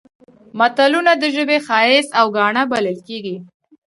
متلونه د ژبې ښایست او ګاڼه بلل کیږي